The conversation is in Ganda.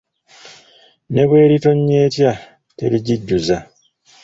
Ne bw’eritonnya etya terigijjuza.